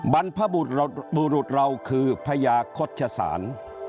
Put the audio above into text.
บรรพบุรุษเราคือพญาโฆษศาล